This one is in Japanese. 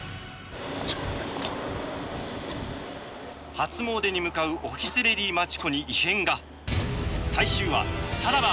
初詣に向かうオフィスレディーマチコに異変がキャー！